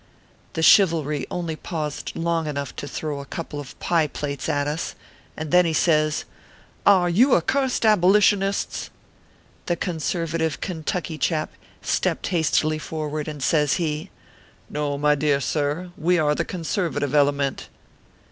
The Chivalry only paused long enough to throw a couple of pie plates at us, and then says he :" Are you accursed abolitionists ?" The conservative Kentucky chap stepped hastily forward, and says he : No, my dear sir, we are the conservative ele ment."